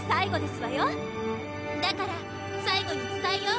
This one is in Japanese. だから最後に伝えよう？